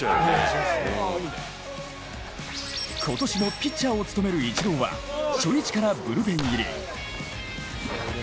今年もピッチャーを務めるイチローは、初日からブルペン入り。